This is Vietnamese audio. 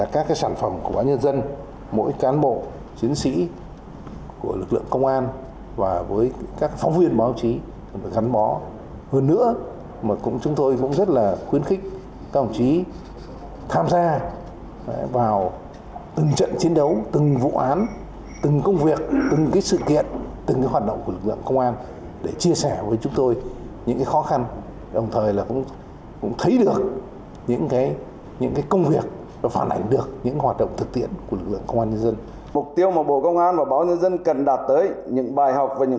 các đơn vị của báo nhân dân sẽ tăng cường các tuyến bài dài hơi về các vấn đề trọng điểm của ngành